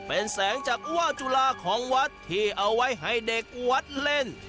เป็นแสงจากว่าจุฬาของวัดที่เอาไว้ให้เด็กวัดเล่น